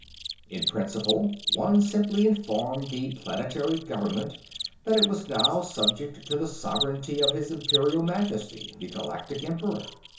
In principle, one simply informed the planetary government that it was now subject to the sovereignty of his Imperial Majesty, the Galactic Emperor.